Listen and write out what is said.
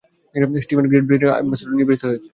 Steven Great ব্রিটেনের ambassador নির্বাচিত হয়েছে!